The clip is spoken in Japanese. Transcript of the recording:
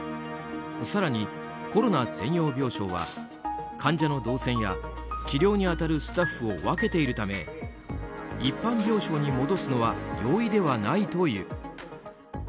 更に、コロナ専用病床は患者の動線や治療に当たるスタッフを分けているため一般病床に戻すのは容易ではないという。